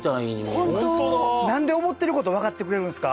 ホントだ何で思ってること分かってくれるんすか？